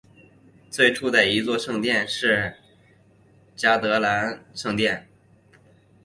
最初的一座圣殿是嘉德兰圣殿。